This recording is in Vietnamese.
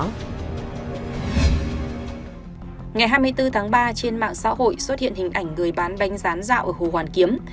ngày hai mươi bốn tháng ba trên mạng xã hội xuất hiện hình ảnh người bán bánh rán dạo ở hồ hoàn kiếm